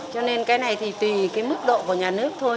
cho nên cái này thì tùy cái mức độ của nhà nước thôi